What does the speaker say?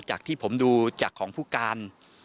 จากที่ผมดูจากของผู้การ